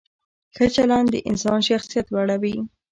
ښه چلند د انسان شخصیت لوړوي.